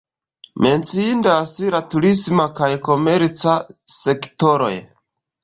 Menciindas la turisma kaj komerca sektoroj.